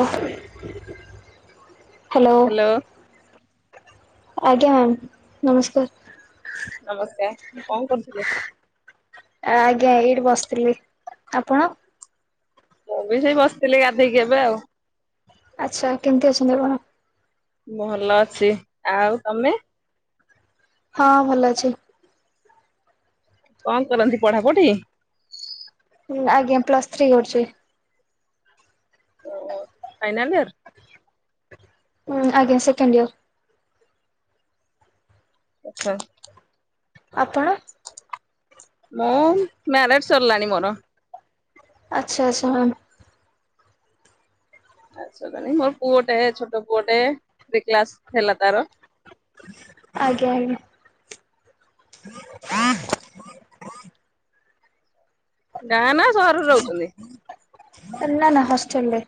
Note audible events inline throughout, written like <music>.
Hello. Hello ଆଜ୍ଞା ma'am ନମସ୍କାର। ନମସ୍କାର, କଣ କରୁଥିଲେ? ଆଜ୍ଞା ଏଇଠି ବସିଥିଲି, ଆପଣ? ମୁଁ ବି ସେଇ ବସିଥିଲି ଗାଧେଇକି ଏବେ ଆଉ। ଆଚ୍ଛା କେମିତି ଅଛନ୍ତି ଆପଣ? ଭଲ ଅଛି। ଆଉ ତମେ? ହଁ ଭଲ ଅଛି। କଣ କରନ୍ତି ପଢାପଢି? ହୁଁ ଆଜ୍ଞା ପ୍ଲସ୍ ଥ୍ରୀ କରୁଚି। ଓ ହୋ ଫାଇନାଲ ଇୟର୍। ହୁଁ ଆଜ୍ଞା ସେକେଣ୍ଡ ଇୟର୍। ଆଚ୍ଛା। ଆପଣ? ମୁଁ ମ୍ୟାରେଜ୍ ସରିଲାଣି ମୋର। ଆଚ୍ଛା ଆଚ୍ଛା ହଁ। <unintelligible> ନାଇଁ ମୋର ପୁଅଟେ, ଛୋଟ ପୁଅଟେ କ୍ଲାସ ହେଲା ତାର। ଆଜ୍ଞା ଆଜ୍ଞା। ଗାଁ ନା ସହରରେ ରହୁଛନ୍ତି? ନା ନା ହାଷ୍ଟେଲ୍ ରେ।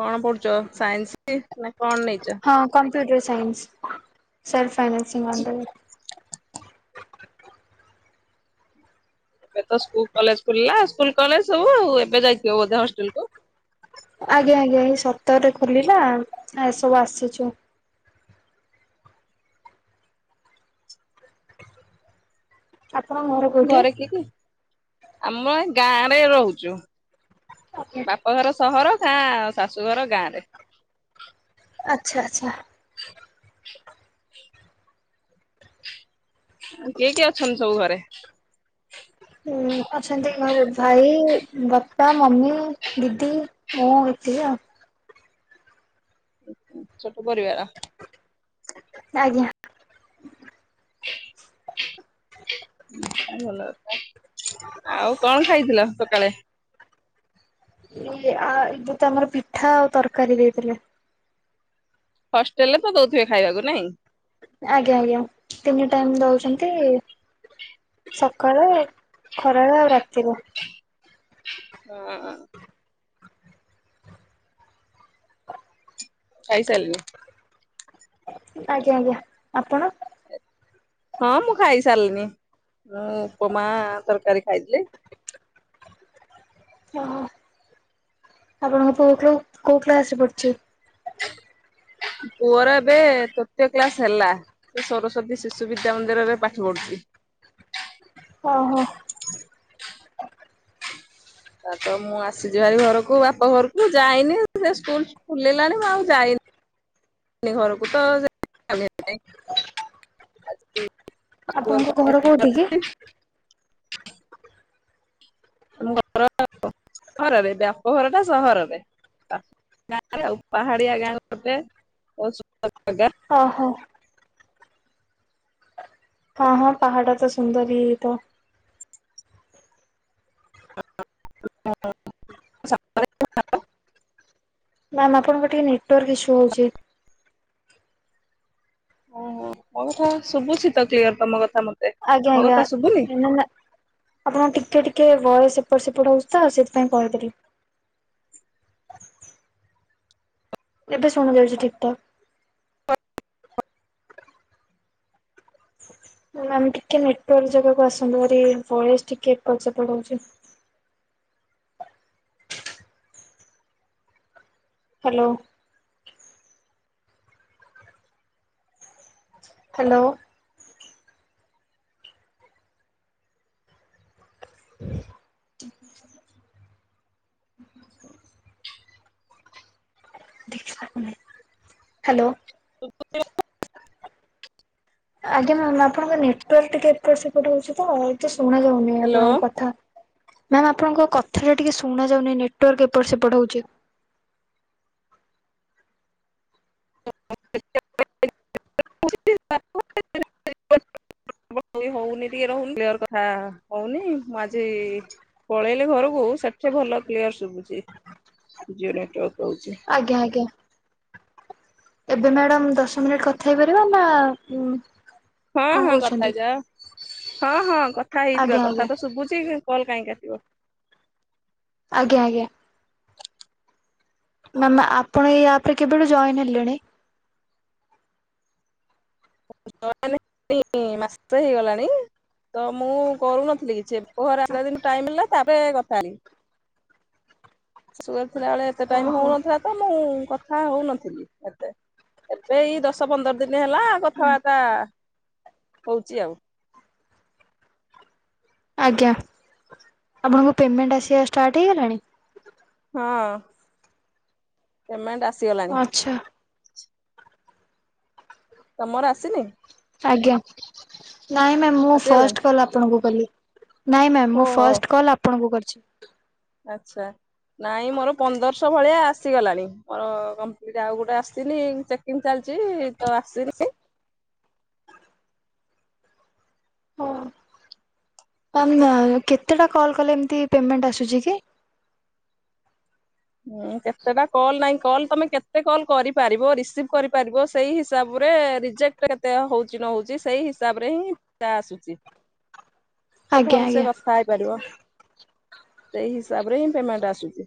କଣ ପଢୁଛ ସାଇନ୍ସ, ନା କଣ ନେଇଛ? ହଁ computer science, self financing under ରେ। ଏବେ ତ ସ୍କୁଲ କଲେଜ ଖୁଲିଲା ସ୍କୁଲ କଲେଜ ସବୁ ଆଉ, ଏବେ ଯାଇଥିବ ବୋଧେ ହଷ୍ଟେଲ କୁ? ଆଜ୍ଞା ଆଜ୍ଞା ଏଇ ସତରରେ ଖୋଲିଲା, ଏସବୁ ଆସିଚୁ। ଆପଣଙ୍କ ଘର କୋଉଠି? ଘରେ କିଏ କି? ଆମେ ଗାଁରେ ରହୁଚୁ। ଆଜ୍ଞା ବାପ ଘର ସହର, ଗାଁ ଶାଶୁଘର ଗାଁରେ। ଆଚ୍ଛା ଆଚ୍ଛା। କିଏ କିଏ ଅଛନ୍ତି ସବୁ ଘରେ? ଅଛନ୍ତି ଘରେ ଭାଇ, ବାପା, ମମି, ଦିଦି ମୁଁ ଏତିକି ଆଉ। ଛୋଟ ପରିବାର? ଆଜ୍ଞା। ଭଲ କଥା। ଆଉ କଣ ଖାଇଥିଲ ସକାଳେ? ଏ ଆ ଏବେ ତ ଆମର ପିଠା ଆଉ ତରକାରୀ ଦେଇଥିଲେ। ହଷ୍ଟେଲରେ ତ ଦଉଥିବେ ଖାଇଆକୁ ନାଇଁ। ଆଜ୍ଞା ଆଜ୍ଞା ତିନି ଟାଇମ୍ ଦଉଚନ୍ତି ସକାଳେ ଖରାବେଳେ ଆଉ ରାତିର। ହଁ ହଁ। ଖାଇ ସାରିଲେଣି? ଆଜ୍ଞା ଆଜ୍ଞା ଆପଣ? ହଁ ମୁଁ ଖାଇ ସାରିଲିନି ମୁଁ ଉପମା ତରକାରୀ ଖାଇଥିଲି। ଓହୋ ଆପଣଙ୍କ ପୁଅ କୋଉ କ୍ଲାସରେ ପଡୁଛି। ପୁଅର ଏବେ ତୃତୀୟ କ୍ଲାସ ହେଲା। ସେ ସରସ୍ଵତୀ ଶିଶୁ ବିଦ୍ୟା ମନ୍ଦିରରେ ପାଠ ପଢୁଛି। ଓହୋ। ତାର ତ ମୁଁ ଆସିଛି ଭାରି ଘରକୁ ବାପା ଘରକୁ ଯାଇନି ସେ ସ୍କୁଲ ଖୁଲିଲାଣି। ମୁଁ ଆଉ ଯାଇନି ଘରକୁ ତ ସେ ଯାଇନି <inaudible> ଆପଣଙ୍କ ଘର କୋଉଠି କି? ତମ ଘର <inaudible> ରରେ ବ୍ୟାପ ଘର ଟା ସହରରେ। ଗାଁରେ ଆଉ। ପାହାଡିଆ ଗାଁ ଗୋଟେ, ବହୁ ସୁନ୍ଦ ଜାଗା। ଓହୋ। ହଁ ହଁ ପହାଡ଼ ତ ସୁନ୍ଦରୀ ହେଇଥିବ। <unintelligible> ମ୍ୟାମ୍ ଆପଣଙ୍କର ଟିକେ ନେଟୱର୍କ ଇସ୍ୟୁ ହଉଛି। ଓହୋ ମୋ କଥା ଶୁଭୁଛି ତ କ୍ଲିୟର ତମ କଥା ମ ଆଜ୍ଞା, ଆଜ୍ଞା, <unintelligible> ଆପଣଙ୍କ ଟିକେ ଟିକେ ଭଏସ ଏପଟ ସେପଟ ହଉଛି ତ ସେଥିପାଇଁ କହିଦେଲି। ଏବେ ଶୁଣାଯାଉଛି ଠିକ ଠାକ। ମ୍ୟାମ୍ ଟିକେ ନେଟୱର୍କ ଜାଗାକୁ ଆସନ୍ତୁ ତୁମରି ଭଏସ ଟିକେ ଏପଟ ସେପଟ ହଉଛି। ହ୍ୟାଲୋ। ହ୍ୟାଲୋ। <inaudible> ଦେଖ <inaudible> ହ୍ୟାଲୋ। <unintelligible> <inaudible> ଆଜ୍ଞା ମ୍ୟାମ୍ ଆପଣଙ୍କ ନେଟୱର୍କ ଟିକେ ଏପଟ ସେପଟ ହଉଛି ତ ଏତେ ଶୁଣା ଯାଉନି। ହ୍ୟାଲୋ ଆପଣଙ୍କ କଥା ମ୍ୟାମ୍ ଆପଣଙ୍କ କଥାଟା ଟିକେ ଶୁଣାଯାଉନି ନେଟୱର୍କ ଏପଟସେପଟ ହଉଛି। <unintelligible> <unintelligible> ହଉନି ଟିକେ ରହୁନି କ୍ଲିୟର କଥା ହଉନି ମୁ ଆଜି ପଳେଇଲେ ଘରକୁ ସେଠି ଭଲ କ୍ଲିୟର ଶୁଭୁଛି ଜିଓ ନେଟୱର୍କ ପାଉଛି। ଆଜ୍ଞା ଆଜ୍ଞା। ଏବେ ମ୍ୟାଡାମ୍ ଦଶ ମିନିଟ୍ କଥା ହେଇପାରିବା ନା ଉଁ ହଁ କଣ ହଁ କଥା କହୁଛନ୍ତି? ହେଇଯିବା ହଁ ହଁ କଥା ଆଜ୍ଞା ହେଇଯିବା ଆଜ୍ଞା କଥା ତ ଶୁଭୁଛି। କଲ୍ କାହିଁ କାଟିବ। ଆଜ୍ଞା ଆଜ୍ଞା। ମ୍ୟାମ ଆପଣ ଏଇ ଆପ୍ ରେ କେବେଠୁ ଜଏନ୍ ହେଲେଣି? <unintelligible> ମାସେ ହେଇଗଲାଣି। ତ ମୁଁ କରୁନଥିଲି କିଛି ପୁଅରା ଆସିଲା ଦିନଠୁ ଟାଇମ ମିଳିଲା ତାପରେ କଥା ହେଲି। ଛୁଆ ଥିଲା ବେଳେ ଏତେ ଟାଇମ ଓହୋ। ହଉନଥିଲା ତ ମୁଁ କଥା ହଉନଥିଲି ଏତେ। ଏବେ ଏଇ ଦଶ ପନ୍ଦର ଦିନ ହେଲା କଥାବାର୍ତ୍ତା ହଉଚି ଆଉ। ଆଜ୍ଞା ଆପଣଙ୍କ ପେମେଣ୍ଟ ଆସିବା ଷ୍ଟାର୍ଟ ହେଇଗଲାଣି? ହଁ ପେମେଣ୍ଟ ଆସିଗଲାଣି। ଆଚ୍ଛା। ତମର ଆସିନି? ଆଜ୍ଞା, ନାଇଁ ମ୍ୟାମ ମୁଁ ଆସିଗଲାଣି ଫାର୍ଷ୍ଟ କଲ ଆପଣଙ୍କୁ କଲି। ନାଇଁ ମ୍ୟାମ୍ ମୁଁ ଓହୋ ଫଷ୍ଟ କଲ୍ ଆପଣଙ୍କୁ କରିଛି। ଆଛା। ନାଇଁ ମୋର ପନ୍ଦରଶହ ଭଳିଆ ଆସିଗଲାଣି ମୋର କଂପ୍ଲିଟ୍ ଆଉ ଗୋଟେ ଆସିନି ଚେ ଚେକିଙ୍ଗ୍ ଚାଲିଚି ତ ଆସିନି। ଓ ଆ ଏମତି ନାଇ କେତେଟା କଲ୍ କଲେ ଏମିତି ପେମେଣ୍ଟ ଆସୁଚି କି? ହୁଁ କେତେଟା କଲ୍ ନାଇଁ କଲ୍ ତମେ କେତେ କଲ୍ କରିପାରିବ ରିସିଭ କରିପାରିବ ସ୍ ସେଇ ହିସାବରେ ରିଜେକ୍ଟ କେତେ ହୋଉଚି ନ ହୋଉଚି ସେଇ ହିସାବରେ ହିଁ ତା ଆସୁଚି। ହ ତ ଭଲସେ କଥା ହେଇପାରିବ ସେଇ ହିସାବରେ ହିଁ ପେମେଣ୍ଟ ଆସୁଚି।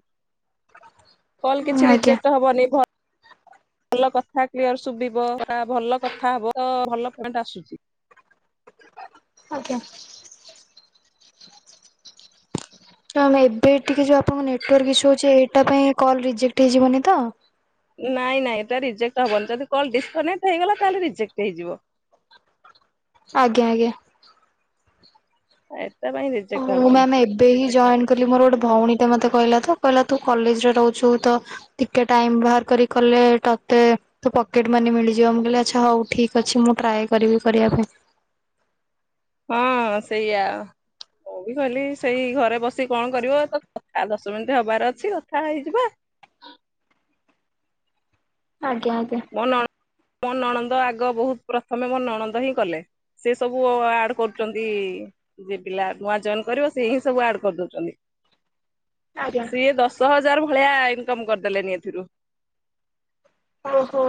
କଲ୍ କିଛି ଆଜ୍ଞା ରିଜେକ୍ଟ ହବନି ଘ ଭଲ କଥା କ୍ଲିୟର ଶୁଭିବ ବା ଭଲ କଥା ହବ ତ ଭଲ ପେମେଣ୍ଟ ଆସୁଚି। ଆଜ୍ଞା। ତ ନାଇଁ ଏବେ ଟିକେ ଯୋଉ ଆପଣଙ୍କ ନେଟୱାର୍କ ଇସୁ ହୋଉଚି ଏ ଏଟା ପାଇଁ କଲ୍ ରିଜେକ୍ଟ ହେଇଯିବନି ତ? ନାଇଁ ନାଇଁ ଏଟା ରିଜେକଟ୍ ହବନି ଯଦି କଲ ଡିସ୍କନେକଟ୍ ହେଇଗଲା ତାହେଲେ ରିଜେକଟ୍ ହେଇଯିବ। ଆଜ୍ଞା ଆଜ୍ଞା। ଆଉ ଏଟା ପାଇଁ ବି ମୁଁ ମ୍ୟାମ୍ ଏବ୍ ଏବେ ହିଁ ଜଏନ୍ କଲି ମୋର ଗୋଟେ ଭୋଉଣୀଟେ ମତେ କହିଲା ତ କହିଲା ତୁ କଲେଜରେ ରହୁଚୁ ତ ଟିକେ ଟାଇମ୍ ବାହାର କରି କଲେ ଏଟା ଏତେ ତୋ ପକେଟ୍ ମନି ମିଳିଯିବ ମୁଁ କହିଲି ଆଚ୍ଛା ହୋଉ ଠିକ ଅଛି ମୁଁ ଟ୍ରାଏ କରିବି କରିବା ପାଇଁ। ହଁ ସେଇଆ ମୁଁ ବି କହିଲି ସେଇ ଘରେ ବସିିକି କଣ କରିବ ତ ଆ ଦଶ ମିନିଟ୍ ହବାର ଅଛି କଥା ହେଇଯିବେ। ଆଜ୍ଞା ଆଜ୍ଞା। ମୋ ନଣ-ମୋ ନଣନ୍ଦ ଆଗ ବୋହୁତ ପ୍ରଥମେ ମୋ ନଣନ୍ଦ ହିଁ କଲେ। ସେ ସବୁ ଆଡ୍ କରୁଚନ୍ତି ଯେ ପିଲା ନୂଆ ଜଏନ୍ କରିବ ସେ ହିଁ ସବୁ ଆଡ କରିଦୋଉଚନ୍ତି। ଆଜ୍ଞା ସିଏ ଦଶ ହଜାର ଭଳିଆ ଇନକମ୍ କରିଦେଲେଣି ଏଥିରୁ। ଓହୋ।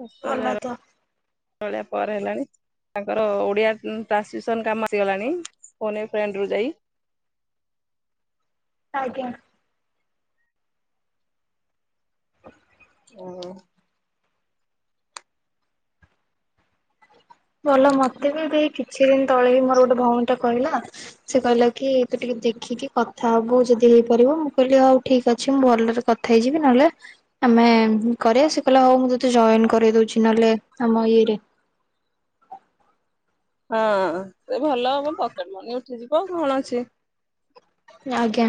ଦଶ ଭଲ ହଜାର ତ ଭଳିଆ ପରେ ହେଲାଣି। ତାଙ୍କର ଓଡ଼ିଆ ଉଁ ଟ୍ରାନ୍ସକ୍ରିପସନ୍ କାମ ଆସିଗଲାଣି ଫୋନ ଏ ଫ୍ରେଣ୍ଡ ରୁ ଯାଇ। ଆଜ୍ଞା। ଓ ଭଲ ମତେ ବି ଦେଇ କିଛି ଦିନ ତଳେ ଏଉ ମୋର ଗୋଟେ ଭୋଉଣୀଟେ କହିଲା ସେ କହିଲା କି ତୁ ଟିକେ ଦେଖିକି କଥା ହୋବୁ ଯଦି ହେଇପାରିବ ମୁଁ କହିଲି ହଉ ଠିକ ଅଛି ମୁଁ ଭଲରେ କ ଥା ହେଇଯିବି ନହେଲେ ଆମେ କରେ ସିଏ କହିଲେ ହୋଉ ମୁଁ ତତେ ଜଏନ୍ କରେଇ ଦୋଉଛି ନହେଲେ ଆମ ଇଏରେ। ହଁ ସେ ଭଲହବ ପକେଟ୍ ମନି ଉଠିଯିବ ଆଉ କଣ ଅଛି। ଆଜ୍ଞା।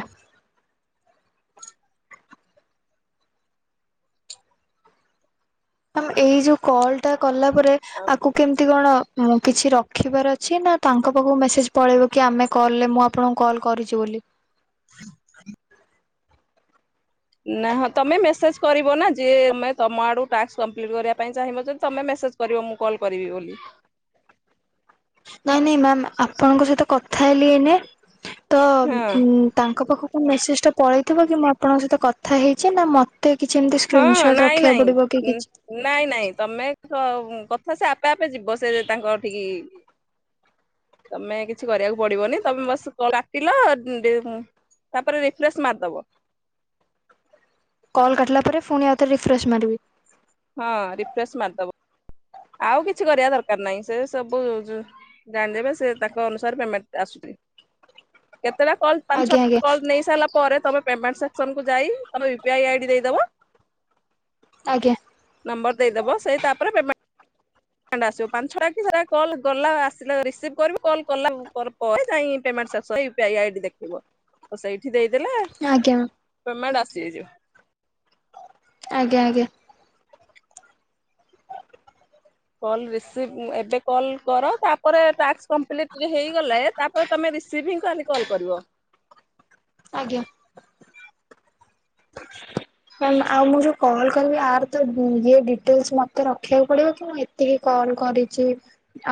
ମାମ୍ ଏଇ ଯୋଉ କଲଟା କଲା ପରେ ଆକୁ କେମ ମିତି କଣ ମୁଁ କିଛି ରଖିବାର ଅଛି ନା ତାଙ୍କ ପାଖକୁ ମେସେଜ ପଳେଇବ କି ଆମେ କଲରେ ମୁଁ ଆପ ଆପଣଙ୍କୁ କଲ୍ କରିଚି ବୋଲି। <inaudible> ନା ହଁ ତମେ ମେସେଜ କରିବ ନା ଯିଏ ମାନେ ତମ ଆଡୁ ଟାସ୍କ କମ୍ପ୍ଲିଟ୍ କରିବା ପାଇଁ ଚାହିଁବ ଯଦି ତମେ ମେସେଜ କହିବ ମୁଁ କଲ୍ କରିବି ବୋଲି। ନାଇଁ ନାଇଁ ମାମ୍ ଆ ଆପଣଙ୍କ ସହିତ କଥା ହେଲି ଏଇନାଏ ତ ହଁ ଉଁ ତାଙ୍କ ପାଖକୁ ମେସେଜଟା ପଳେଇଥିବ କି ମୁଁ ଆପଣଙ୍କ ସହିତ କଥା ହେଇଚି ନା ମତ୍ ମତେ କିଛି ଏମିତି ହଁ ସ୍କ୍ରିିନସଟ୍ ନାଇଁ ରଖିବାକୁ ନାଇଁ। ପଡିବ କି କିଛି? ନାଇଁ ନାଇଁ ତମେ ସ କଥା ସେ ଆପେ ଆପେ ଯିବ ସେ ତାଙ୍କ ଠିକି। ତମେ କିଛି କରିବାକୁ ପଡିବନେଇ ତମେ ବସି କ କାଟିଲ ଡେ ତାପରେ ରିଫ୍ରେଶସ୍ ମାରିଦବ। କଲ୍ କଟିଲା ପରେ ଫୁଣି ଆଉଥରେ ରିଫ୍ରେଶ୍ ମାରିବି ହଁ ରିଫ୍ରେଶ୍ ମାରିଦବ। ଆଉ କିଛି କରିବା ଦରକାର ନାହିଁ, ସେ ସବୁ ଯୁ ଜାଣିଦେବେ ସେ ତାଙ୍କ ଅନୁସାରେ ପେମେଣ୍ଟଟା ଆସୁଛି। କେତେଟା କଲ ପାଞ୍ଚ ଆଜ୍ଞା ଆଜ୍ଞା ଛଟା କଲ୍ ନେଇ ସାରିଲା ପରେ ତମେ ପେମେଣ୍ଟ ସେକ୍ସନକୁୁ ଯାଇ ତମେ ରିପ୍ଲାଇ ଆଇ ଡ଼ି ଦେଇଦବ। ଆଜ୍ଞା। ନମ୍ବର ଦେଇଦବ, ସେ ତାପରେ ପେମ୍ ଆସିବୁ ପାଞ୍ଚ ଛ ଟା କି ସାରା କଲ୍ ଗଲା ଆସିଲା ରିସିଭ କରିବୁ କଲ୍ କଲା ପରେ ଯାଇ ପେମେଟ୍ ଆସିବ। <unintelligible> ଦେଖେଇବ, ତ ସେଇଠି ଦେଇଦେଲେ ଆଜ୍ଞା। ପେମେଣ୍ଟ ଆସିଯିବ। ଆଜ୍ଞା ଆଜ୍ଞା। କଲ ରିସିଭ ଏବେ କଲ୍ କର, ତାପରେ ଟାସ୍କ କମ୍ପ୍ଲିଟ ହେଇଗଲେ ତାପରେ ତୁମେ ରିସିଭିଙ୍ଗ ଖାଲି କଲ୍ କରିବ ଆଜ୍ଞା। ଆଉ ମୁଁ ଯୋଉ କଲ୍ କଲେ ଆର୍ ତ ଇଏ ଡିଟେଲସ ମତେ ରଖିବାକୁ ପଡିବ କି ମୁଁ ଏତିକି କଲ୍ କରିଛି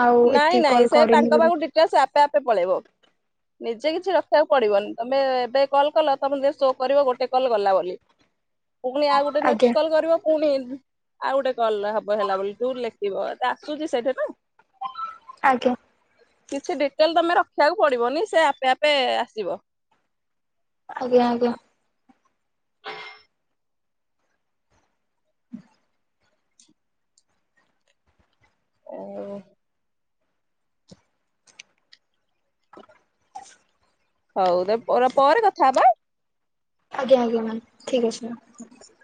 ଆଉ ନାଇଁ ଏତିକି ନାଇଁ କଲ ସେ କରିନି ତାଙ୍କ ବୋଲି। ପାଖକୁ ଆପେ ଆପେ ପଳେଇବ ନିଜେ କିଛି ରଖିବାକୁ ପଡିବନି, ତମେ ଏବେ କଲ୍ କଲ ତମେ ଯେ ଶୋ କରିବ ଗୋଟେ କଲ ଗଲା ବୋଲି। ପୁଣି ଆଉ ଗୋଟେ ନେକ୍ସଟ ଆଜ୍ଞା କଲ୍ କରିବ ପୁଣି ଆଉ ଗୋଟେ କଲ ହବ ହେଲା ବୋଲି ତୁ ଲେଖିବ ଆସୁଛି ସେଇଠି ନା। ଆଜ୍ଞା। କିଛି ଡିଟେଲ ତମେ ରଖିବାକୁ ପଡିବନି, ସେ ଆପେ ଆପେ ଆସିବ। ଆଜ୍ଞା ଆଜ୍ଞା। ଓ ହଉ ତ ପରେ କଥା ହବା। ଆଜ୍ଞା ଆଜ୍ଞା ମ୍ୟାମ, ଠିକ୍ ଅଛି ମ୍ୟାମ। <unintelligible>